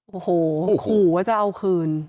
โอ้โหขู่ว่าจะเอาคืน